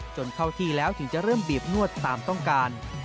จนเข้าที่แล้วถึงจะเริ่มบีบนวดตามต้องการ